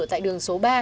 tại đường số ba